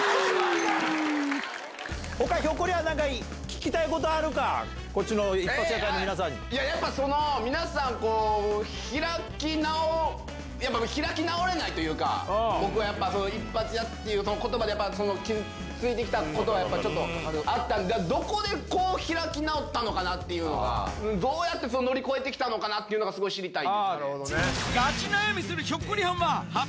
ほか、ひょっこりはん、なんか聞きたいことあるか、やっぱ皆さん、開きなお、やっぱ開き直れないというか、僕はやっぱ、一発屋っていうことばで、やっぱ傷ついてきたことはやっぱりちょっとあったり、どこでこう、開き直ったのかなっていうのが、どうやって乗り越えてきたのかなっていうのがすごい知りたい。